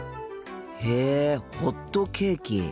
へえホットケーキ。